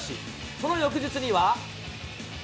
その翌日には。